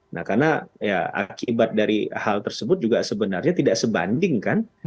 nah karena ya akibat dari hal tersebut juga sebenarnya tidak sebanding kan